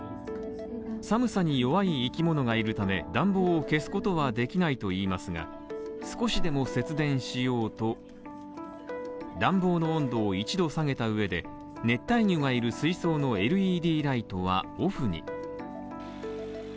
寒さに弱い生き物がいるため暖房を消すことはできないといいますが少しでも節電しようと、暖房の温度を１度下げたうえで熱帯魚のいる水槽のＬＥＤライトはオフに。